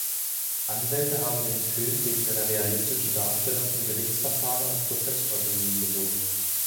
Anwälte haben den Film, wegen seiner realistischen Darstellung von Gerichtsverfahren und Prozessstrategien gelobt.